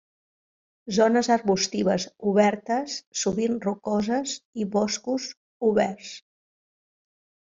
Zones arbustives obertes, sovint rocoses, i boscos oberts.